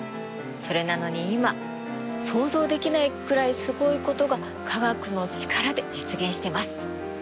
それなのに今想像できないくらいすごいことが科学の力で実現してます。